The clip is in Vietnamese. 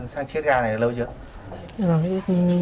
sang chết ga này là lâu chưa